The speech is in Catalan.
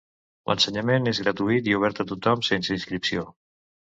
L'ensenyament és gratuït i obert a tothom sense inscripció.